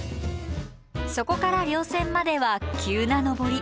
そこから稜線までは急な登り。